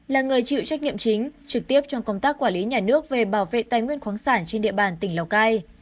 là người chịu trách nhiệm chính trực tiếp trong công tác quản lý nhà nước về bảo vệ tài nguyên khoáng sản trên địa bàn tỉnh lào cai